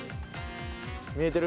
見えてる？